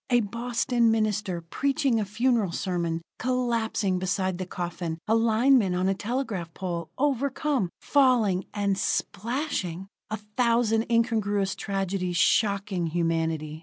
A Boston minister, preaching a funeral sermon, collapsing beside the coffin; a lineman on a telegraph pole, overcome, falling and splashing! A thousand incongruous tragedies shocking humanity.